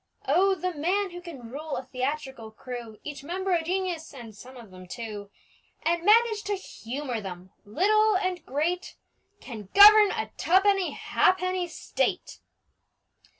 Oh, the man who can rule a theatrical crew, Each member a genius (and some of them two), And manage to humour them, little and great, Can govern a tuppenny ha'penny State!